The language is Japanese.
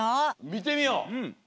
みてみよう！